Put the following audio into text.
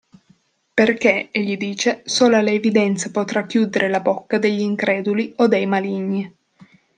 Perché, egli dice, sola la evidenza potrà chiudere la bocca degli increduli o dei maligni.